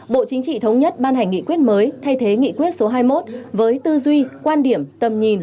bộ chính trị thống nhất ban hành nghị quyết mới thay thế nghị quyết số hai mươi một với tư duy quan điểm tầm nhìn